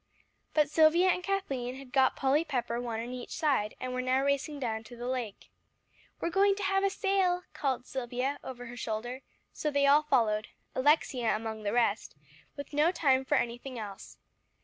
But Silvia and Kathleen had got Polly Pepper one on each side, and were now racing down to the lake. "We're going to have a sail," called Silvia over her shoulder, so they all followed, Alexia among the rest, with no time for anything else.